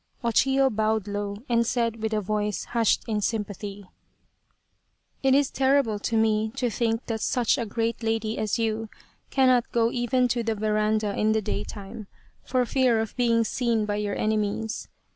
O Chiyo bowed low and said with a voice hushed in sympathy :" It is terrible to me to think that such a great lady as you cannot go even to the veranda in the day time for fear of being seen by your enemies.